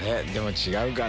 違うかな？